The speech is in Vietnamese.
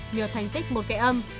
nhờ thành tích một gạy âm